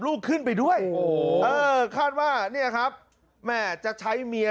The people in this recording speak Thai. ลูกขึ้นไปด้วยโอ้โหเออคาดว่าเนี่ยครับแม่จะใช้เมีย